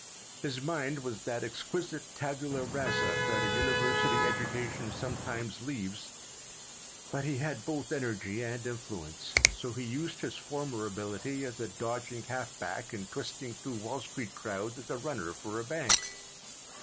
His mind was that exquisite tabula rasa that a university education sometimes leaves, but he had both energy and influence, so he used his former ability as a dodging half back in twisting through Wall Street crowds as runner for a bank.